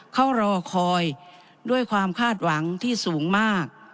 เขารอคอยด้วยความคาดหวังที่สูงมาก